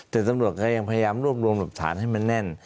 แต่ตำรวจก็ยังพยายามรวบรวมหลักฐานให้มันแน่น